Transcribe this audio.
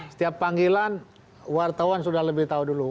setiap panggilan wartawan sudah lebih tahu dulu